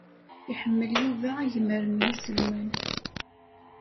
Iḥemmel Yuba agmer n yiselman.